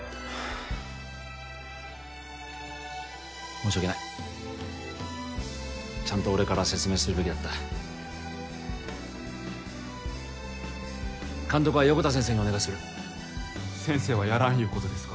申し訳ないちゃんと俺から説明するべきだった監督は横田先生にお願いする先生はやらんいうことですか？